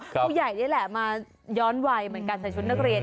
ผู้ใหญ่นี่แหละมาย้อนวัยเหมือนกันใส่ชุดนักเรียน